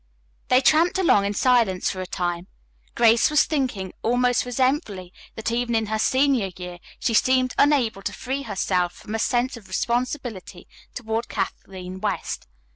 They tramped along in silence for a time. Grace was thinking almost resentfully that even in her senior year she seemed unable to free herself from a sense of responsibility toward Kathleen West.